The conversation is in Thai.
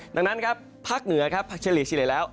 ดังนั้นครับภาคเหนือครับชะลิชย์ได้แล้ว